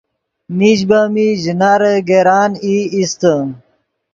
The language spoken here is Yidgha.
میش بہ میش ژینارے گران ای ایستے